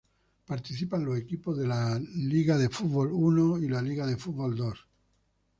Participan los equipos de la Football League One y la Football League Two.